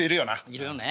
いるよね。